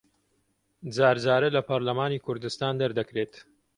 جار جارە لە پەرلەمانی کوردستان دەردەکرێت